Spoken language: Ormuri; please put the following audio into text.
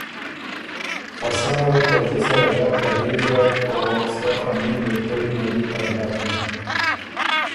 خه سنه وې په زلی سره ګپ لګېک ګېرډ او سرۀ خني بړُتوی ن ال دی تر داکِن